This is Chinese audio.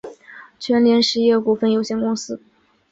全联实业股份有限公司